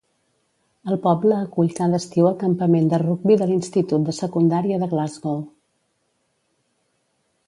El poble acull cada estiu el campament de rugbi de l'institut de secundària de Glasgow.